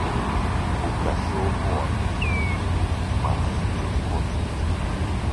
O cachorro olha o frango, mas não come